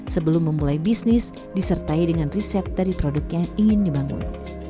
sebelum memulai bisnis disertai dengan riset dari produk yang ingin dibangun